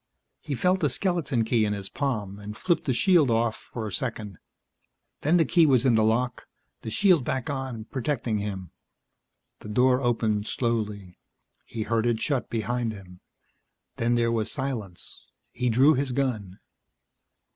He felt the skeleton key in his palm and flipped the shield off for a second; then the key was in the lock, the shield back on, protecting him. The door opened slowly. He heard it shut behind him. Then there was silence. He drew his gun.